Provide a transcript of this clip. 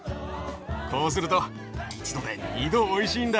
こうすると１度で２度おいしいんだ。